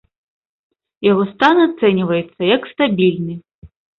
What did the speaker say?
Яго стан ацэньваецца як стабільны.